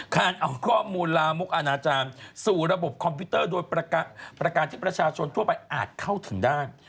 การเอาข้อมูลลามกอนาจารย์สู่ระบบคอมพิวเตอร์โดยประการที่ประชาชนทั่วไปอาจเข้าถึงได้